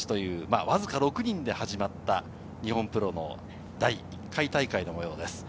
わずか６人で始まった日本プロの第１回大会の模様です。